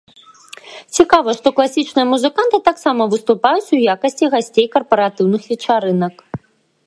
Цікава, што класічныя музыканты таксама выступаюць у якасці гасцей карпаратыўных вечарынак.